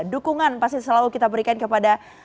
dukungan pasti selalu kita berikan kepada